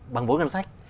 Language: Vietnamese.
bằng vốn ngân sách